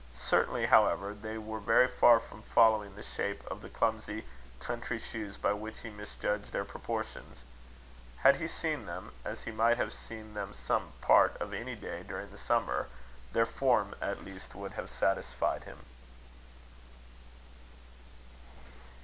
Certainly, however, they were very far from following the shape of the clumsy country shoes, by which he misjudged their proportions. Had he seen them, as he might have seen them some part of any day during the summer, their form at least would have satisfied him.